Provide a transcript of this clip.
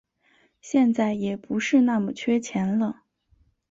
现在也不是那么缺钱了